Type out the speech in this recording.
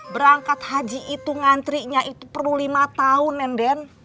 berangkat haji itu ngantrinya itu perlu lima tahun nenden